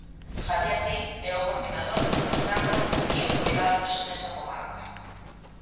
Javier Diz é o coordinador do programa Biocoidados nesta comarca.